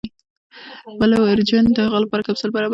بلو اوریجن د هغې لپاره کپسول برابر کړ.